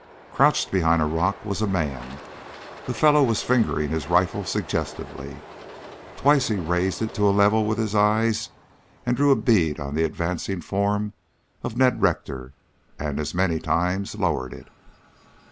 Crouched behind a rock was a man. The fellow was fingering his rifle suggestively. Twice he raised it to a level with his eyes and drew a bead on the advancing form of Ned Rector, and as many times lowered it.